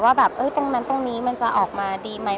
ว่าแบบตรงนั้นตรงนี้มันจะออกมาดีไหม